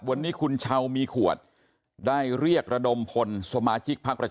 วันนี้คุณชาวมีขวดได้เรียกระดมผลสมบาท